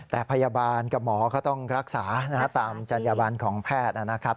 แต่พยาบาลกับหมอก็ต้องรักษาตามจัญญบันของแพทย์นะครับ